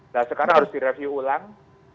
nah sekarang harus direview ulang